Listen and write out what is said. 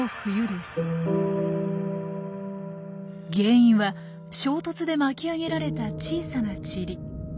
原因は衝突で巻き上げられた小さなチリ。